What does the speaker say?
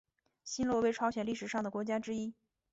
新罗为朝鲜历史上的国家之一。